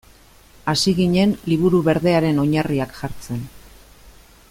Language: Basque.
Hasi ginen Liburu Berdearen oinarriak jartzen.